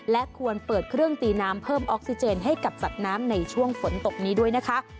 และควรเปิดเครื่องตีน้ำเพิ่มออกซิเจนให้กับสัตว์น้ำในช่วงฝนตกนี้ด้วยนะคะ